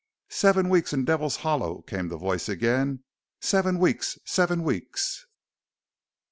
"Seven weeks in Devil's Hollow!" came the voice again. "Seven weeks! Seven weeks!"